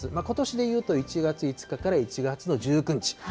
ことしでいうと１月５日から１月の１９日。